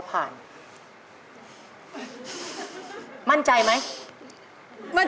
พี่พี่จ๋อง